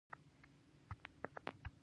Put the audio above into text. افغانستان زما ژوند دی